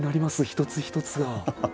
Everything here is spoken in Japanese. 一つ一つが。